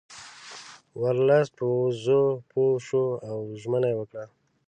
ورلسټ په وضع پوه شو او ژمنه یې وکړه.